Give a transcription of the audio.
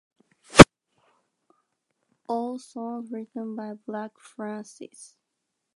All songs written by Black Francis.